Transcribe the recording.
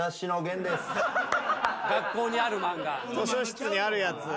図書室にあるやつ。